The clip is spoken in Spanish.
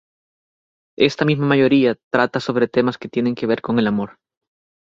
Esta misma mayoría, trata sobre temas que tienen que ver con el amor.